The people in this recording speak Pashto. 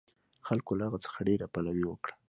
خلکو له هغه څخه ډېره پلوي وکړه.